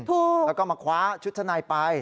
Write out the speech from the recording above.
แล้วก็มาคว้าชุดชั้นในไป